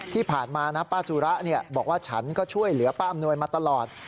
ที่ผ่านมานะป้าสุระบอกว่าฉันก็ช่วยเหลือป้าอำนวยมาตลอด